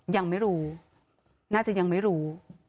ยังไม่รู้น่าจะยังไม่รู้